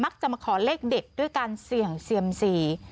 จะมาขอเลขเด็ดด้วยการเสี่ยงเซียมซี